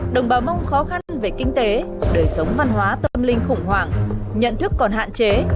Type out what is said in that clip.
đồng bào mông khó khăn về kinh tế đời sống văn hóa tâm linh khủng hoảng nhận thức còn hạn chế